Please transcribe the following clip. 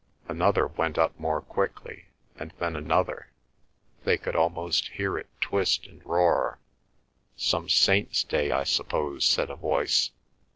Another went up more quickly; and then another; they could almost hear it twist and roar. "Some Saint's day, I suppose," said a voice.